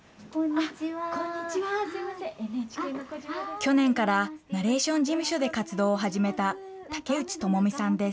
去年から、ナレーション事務所で活動を始めた竹内智美さんです。